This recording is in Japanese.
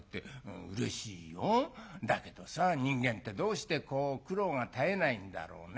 だけどさ人間ってどうしてこう苦労が絶えないんだろうね。